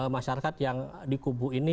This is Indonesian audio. masyarakat yang di kubu ini